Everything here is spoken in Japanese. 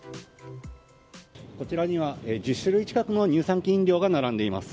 こちらには１０種類近くの乳酸菌飲料が並んでいます。